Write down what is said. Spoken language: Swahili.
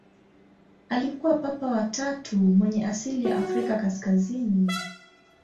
Alikuwa Papa wa tatu mwenye asili ya Afrika kaskazini.